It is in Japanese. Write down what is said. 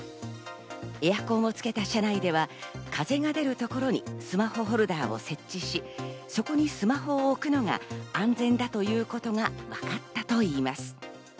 エアコンをつけた車内では風が出るところにスマホホルダーを設置し、そこにスマホを置くのが安全だということがわかったといいます。